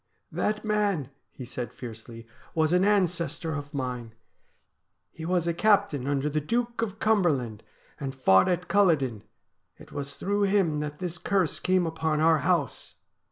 ' That man,' he said fiercely, ' was an ancestor of mine. He was a captain under the Duke of Cumberland, and fought at Culloden. It was through him that this curse came upon our house.'